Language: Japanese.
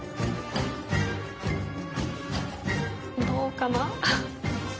どうかな？